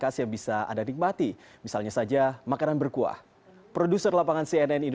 karena rasanya bandung banget